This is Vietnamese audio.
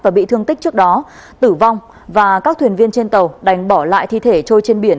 và bị thương tích trước đó tử vong và các thuyền viên trên tàu đành bỏ lại thi thể trôi trên biển